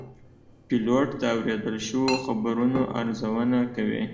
پیلوټ د اورېدل شوو خبرونو ارزونه کوي.